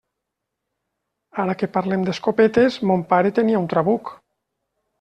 Ara que parlem d'escopetes, mon pare tenia un trabuc.